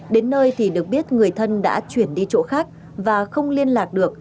đến nơi thì được biết người thân đã chuyển đi chỗ khác và không liên lạc được